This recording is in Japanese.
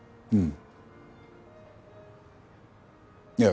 うん。